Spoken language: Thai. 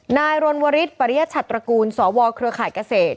นายรณวริสปริยชัตรกูลสวเครือข่ายเกษตร